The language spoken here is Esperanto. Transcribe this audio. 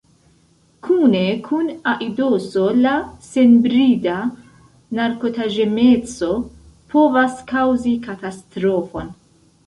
Kune kun aidoso la senbrida narkotaĵemeco povas kaŭzi katastrofon.